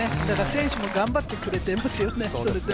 選手も頑張ってくれてますよね。